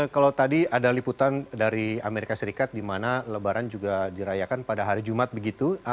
kalau tadi ada liputan dari amerika serikat di mana lebaran juga dirayakan pada hari jumat begitu